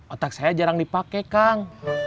otak saya jarang dipakai kang